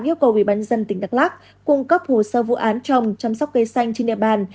yêu cầu ubnd tỉnh đắk lạc cung cấp hồ sơ vụ án trồng chăm sóc cây xanh trên địa bàn